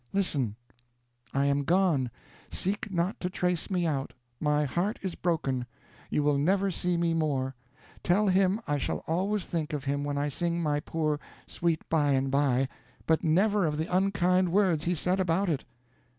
Listen: 'I am gone; seek not to trace me out; my heart is broken; you will never see me more. Tell him I shall always think of him when I sing my poor "Sweet By and by," but never of the unkind words he said about it.'